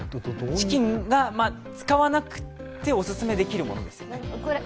チキンを使わなくてオススメできるものですよね。